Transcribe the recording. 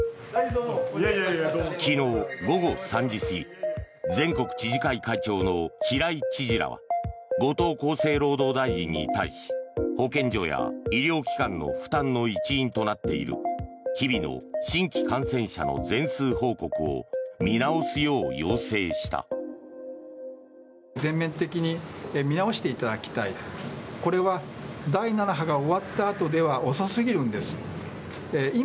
昨日午後３時過ぎ全国知事会会長の平井知事らは後藤厚生労働大臣に対し保健所や医療機関の負担の一因となっている日々の新規感染者の全数報告を見直すよう要請した。